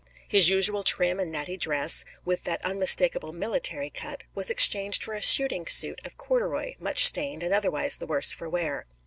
His usual trim and natty dress, with that unmistakable "military cut," was exchanged for a shooting suit of corduroy, much stained, and otherwise the worse for wear.